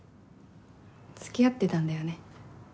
付き合ってたんだよね。